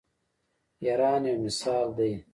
ایران یو مثال دی.